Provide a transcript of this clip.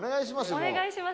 お願いします。